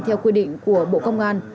theo quy định của bộ công an